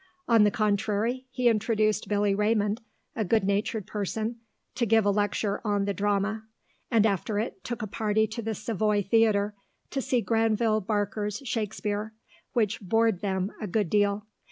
On the contrary, he induced Billy Raymond, a good natured person, to give a lecture on the Drama, and after it, took a party to the Savoy Theatre, to see Granville Barker's Shakespeare, which bored them a good deal.